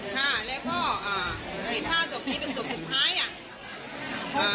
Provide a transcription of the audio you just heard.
ค่ะแล้วก็อ่าถ้าสมีเป็นสมสุดท้ายอ่ะอ่า